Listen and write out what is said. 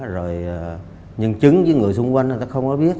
rồi nhân chứng với người xung quanh người ta không có biết